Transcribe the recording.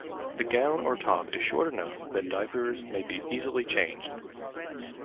The gown or top is short enough that diapers may be easily changed.